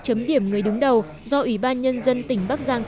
chấm điểm người đứng đầu do ubnd tỉnh bắc giang